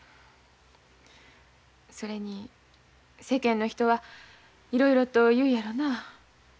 それに世間の人はいろいろと言うやろな。